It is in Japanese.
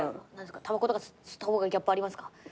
たばことか吸った方がギャップありますか？